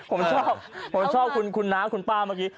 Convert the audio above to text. ผมชอบผมชอบคุณน้าคุณป้าเมื่อกี้